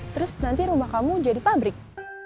terus nanti rumah kamu jadi pabrik